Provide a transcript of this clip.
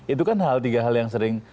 itu kan hal tiga hal yang sering